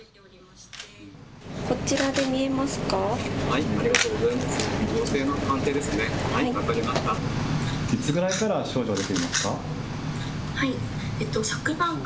こちらで見えますか。